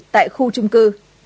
tại khu chung cư